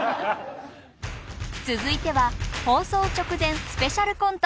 続いては放送直前スペシャルコント